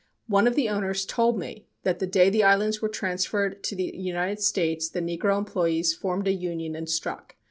One of the owners told me that the day the islands were transferred to the United States the negro employees formed a union and struck.